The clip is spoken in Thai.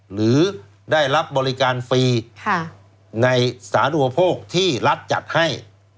หรือได้รับบริการฟรีในสารอุปโภคที่รัฐจัดให้